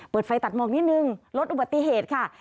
ไฟตัดหมอกนิดนึงลดอุบัติเหตุค่ะ